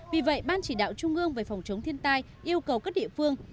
vì vậy ban chỉ đạo trung ương về phòng chống thiên tai yêu cầu các địa phương